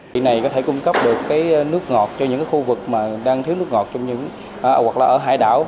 thì này có thể cung cấp được nước ngọt cho những khu vực đang thiếu nước ngọt trong những hải đảo